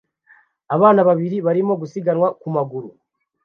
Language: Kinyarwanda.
Abana babiri barimo gusiganwa ku maguru